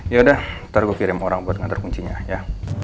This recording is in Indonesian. yaudah ntar gue kirim orang buat ngantar kuncinya ya